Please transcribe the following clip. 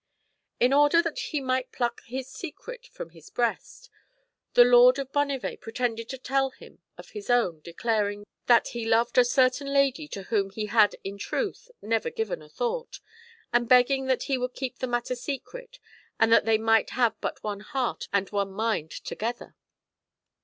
In order that he might pluck his secret from his breast, the Lord of Bonnivet pretended to tell him his own, declaring that he loved a certain lady to whom he had in truth never given a thought, and begging that he would keep the matter secret, and that they might have but one heart and one mind together.